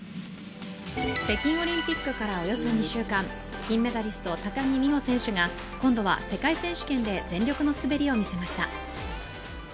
北京オリンピックからおよそ２週間、金メダリスト・高木美帆選手が今度は世界選手権で全力の滑りを見せました。